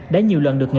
đã nhiều lần được đưa ra